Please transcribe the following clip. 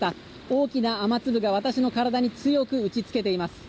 大きな雨粒が私の体に強く打ち付けています。